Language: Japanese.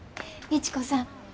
一子さん